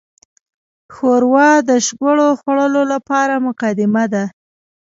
ښوروا د شګوړو خوړو لپاره مقدمه ده.